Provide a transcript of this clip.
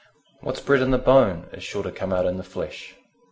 What's bred in the bone is sure to come out in the flesh.